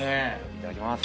いただきます。